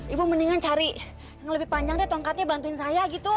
ibu mendingan cari yang lebih panjang deh tongkatnya bantuin saya gitu